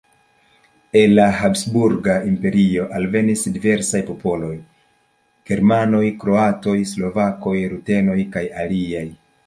El la Habsburga Imperio alvenis diversaj popoloj: germanoj, kroatoj, slovakoj, rutenoj kaj aliaj.